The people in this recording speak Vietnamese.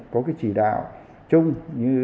có cái chỉ đạo chung như